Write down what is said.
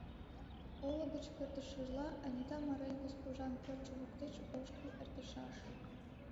Олык гыч пӧртылшыжла, Анита Марель госпожан пӧртшӧ воктеч ошкыл эртышаш.